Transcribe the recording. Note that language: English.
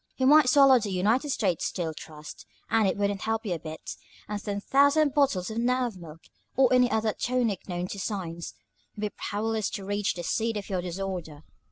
You might swallow the United States Steel Trust, and it wouldn't help you a bit, and ten thousand bottles of nerve milk, or any other tonic known to science, would be powerless to reach the seat of your disorder.